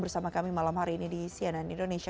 bersama kami malam hari ini di cnn indonesia